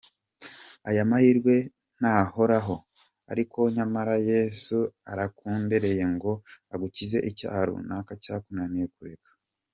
Aya mahirwe ntahoraho, ariko nyamara Yesu arakugendereye ngo agukize icyaha runaka cyakunaniye kureka.